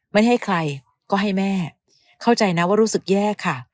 ไม่ให้ใครก็ให้แม่เข้าใจนะว่ารู้สึกแย่ค่ะ